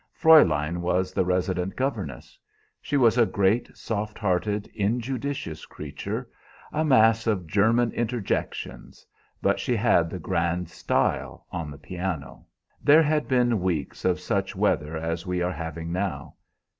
Fräulein was the resident governess. She was a great, soft hearted, injudicious creature, a mass of German interjections, but she had the grand style on the piano. There had been weeks of such weather as we are having now.